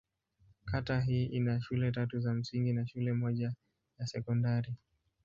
Kata hii ina shule tatu za msingi na shule moja ya sekondari.